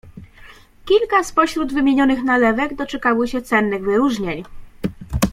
Kilka spośród wymienionych nalewek doczekało się cennych wyróżnień.